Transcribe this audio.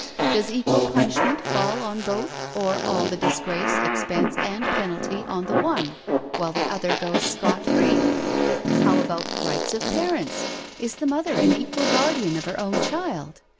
Does equal punishment fall on both, or all the dis grace, expense, and penalty on the one, while the other goes scot free? How about rights of parents? Is the mother an equal guardian of her own child?